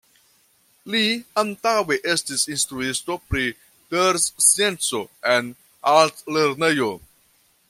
Li antaŭe estis instruisto pri terscienco en altlernejo.